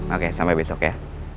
oke sampai besok ya